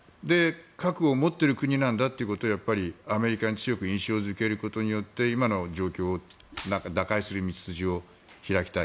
核を持っている国なんだということをアメリカに強く印象付けることによって今の状況を打開する道筋を開きたい。